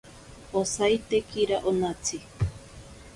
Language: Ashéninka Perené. Osaitekira onatsi.